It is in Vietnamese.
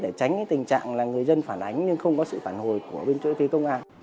để tránh cái tình trạng là người dân phản ánh nhưng không có sự phản hồi của bên chỗ phía công an